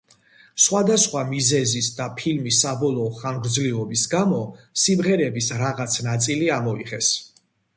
სხვადასხვა მიზეზის და ფილმის საბოლოო ხანგრძლივობის გამო, სიმღერების რაღაც ნაწილი ამოიღეს.